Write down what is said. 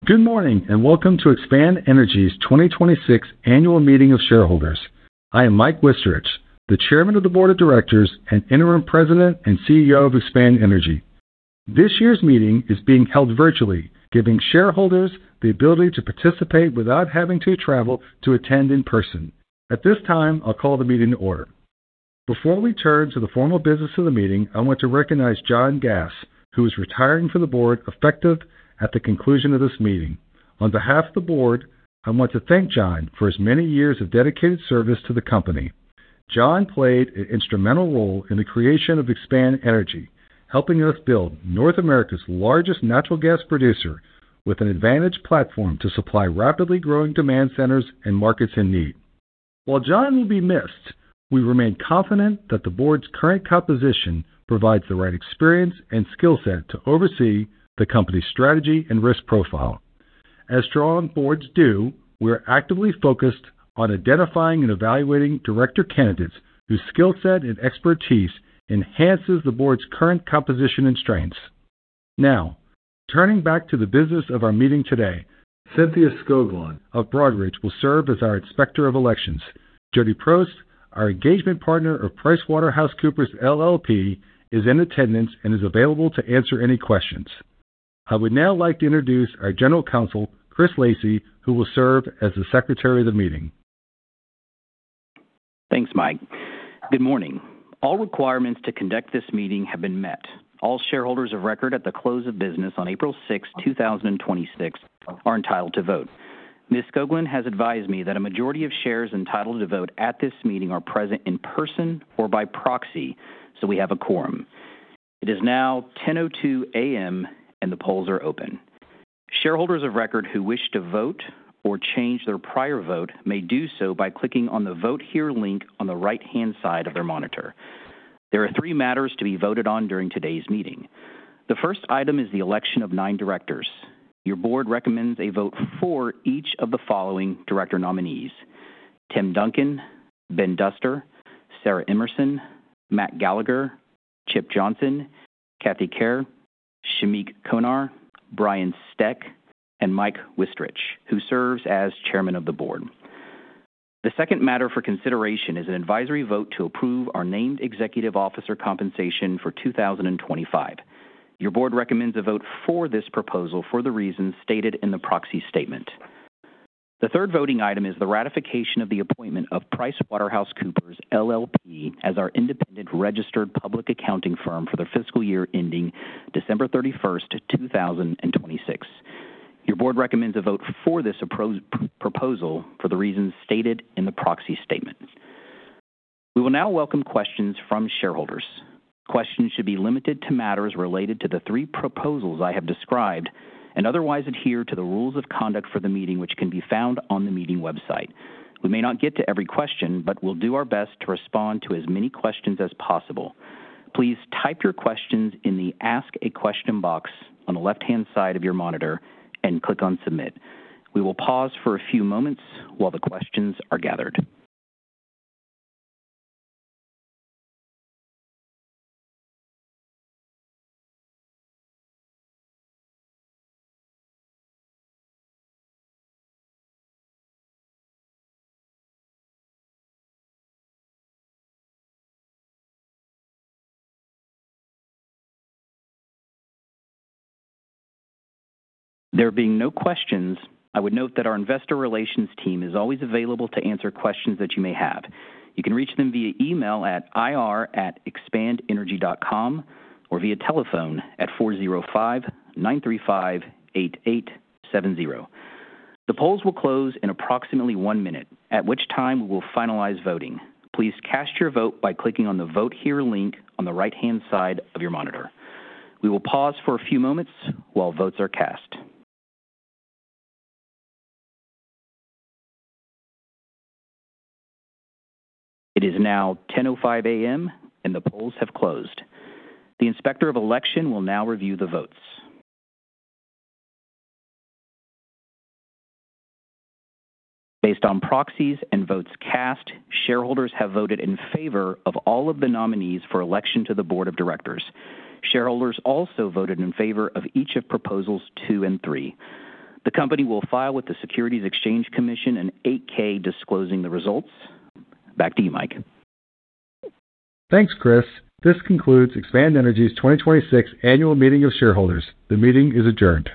Good morning, welcome to Expand Energy's 2026 annual meeting of shareholders. I am Mike Wichterich, the Chairman of the Board of Directors and Interim President and CEO of Expand Energy. This year's meeting is being held virtually, giving shareholders the ability to participate without having to travel to attend in person. At this time, I'll call the meeting to order. Before we turn to the formal business of the meeting, I want to recognize John Gass, who is retiring from the board effective at the conclusion of this meeting. On behalf of the board, I want to thank John for his many years of dedicated service to the company. John played an instrumental role in the creation of Expand Energy, helping us build North America's largest natural gas producer with an advantaged platform to supply rapidly growing demand centers and markets in need. While John will be missed, we remain confident that the board's current composition provides the right experience and skill set to oversee the company's strategy and risk profile. As strong boards do, we're actively focused on identifying and evaluating director candidates whose skill set and expertise enhances the board's current composition and strengths. Turning back to the business of our meeting today, Cynthia Skoglund of Broadridge will serve as our Inspector of Elections. Jody Prost, our engagement partner of PricewaterhouseCoopers LLP, is in attendance and is available to answer any questions. I would now like to introduce our general counsel, Chris Lacy, who will serve as the secretary of the meeting. Thanks, Mike. Good morning. All requirements to conduct this meeting have been met. All shareholders of record at the close of business on April 6th, 2026, are entitled to vote. Ms. Skoglund has advised me that a majority of shares entitled to vote at this meeting are present in person or by proxy, so we have a quorum. It is now 10:02 A.M., and the polls are open. Shareholders of record who wish to vote or change their prior vote may do so by clicking on the Vote Here link on the right-hand side of their monitor. There are three matters to be voted on during today's meeting. The first item is the election of nine directors. Your board recommends a vote for each of the following director nominees: Tim Duncan, Ben Duster, Sarah Emerson, Matt Gallagher, Chip Johnson, Kathy Kehr, Shameek Konar, Brian Steck, and Mike Wichterich, who serves as Chairman of the Board. The second matter for consideration is an advisory vote to approve our named executive officer compensation for 2025. Your board recommends a vote for this proposal for the reasons stated in the proxy statement. The third voting item is the ratification of the appointment of PricewaterhouseCoopers LLP as our independent registered public accounting firm for the fiscal year ending December 31st, 2026. Your board recommends a vote for this proposal for the reasons stated in the proxy statement. We will now welcome questions from shareholders. Questions should be limited to matters related to the three proposals I have described and otherwise adhere to the rules of conduct for the meeting, which can be found on the meeting website. We may not get to every question, we'll do our best to respond to as many questions as possible. Please type your questions in the Ask a Question box on the left-hand side of your monitor and click on Submit. We will pause for a few moments while the questions are gathered. There being no questions, I would note that our investor relations team is always available to answer questions that you may have. You can reach them via email at ir@expandenergy.com or via telephone at 405-935-8870. The polls will close in approximately one minute, at which time we will finalize voting. Please cast your vote by clicking on the Vote Here link on the right-hand side of your monitor. We will pause for a few moments while votes are cast. It is now 10:05 A.M., and the polls have closed. The Inspector of Election will now review the votes. Based on proxies and votes cast, shareholders have voted in favor of all of the nominees for election to the board of directors. Shareholders also voted in favor of each of proposals two and three. The company will file with the Securities and Exchange Commission an 8-K disclosing the results. Back to you, Mike. Thanks, Chris. This concludes Expand Energy's 2026 annual meeting of shareholders. The meeting is adjourned.